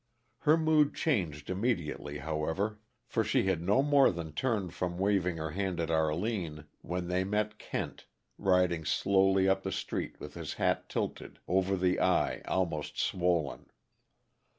Her mood changed immediately, however, for she had no more than turned from waving her hand at Arline, when they met Kent, riding slowly up the street with his hat tilted over the eye most swollen.